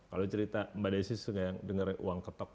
kalau cerita mbak desy sudah ngeri uang ketok